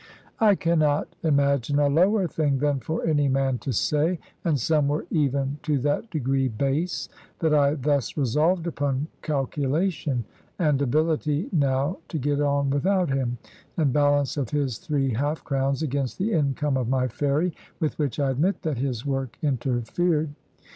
I cannot imagine a lower thing than for any man to say and some were even to that degree base that I thus resolved upon calculation, and ability now to get on without him, and balance of his three half crowns against the income of my ferry, with which I admit that his work interfered.